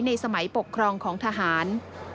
ในสมัยปกครองของทหาร